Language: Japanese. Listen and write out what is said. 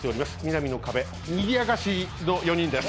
南の壁にぎやかしの４人です。